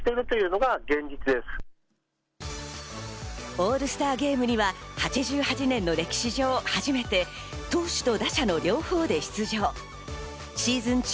オールスターゲームには８８年の歴史上初めて投手と打者の両方で出場。